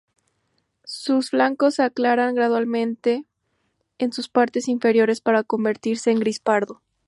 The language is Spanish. Sus flancos se aclaran gradualmente en sus partes inferiores para convertirse en gris pardo.